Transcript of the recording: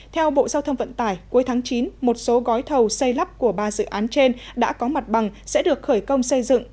theo bộ giao thông vận tải cuối tháng chín một số gói thầu xây lắp của ba dự án trên đã có mặt bằng sẽ được khởi công xây dựng